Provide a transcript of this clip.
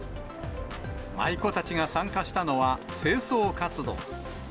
舞妓たちが参加したのは、清掃活動。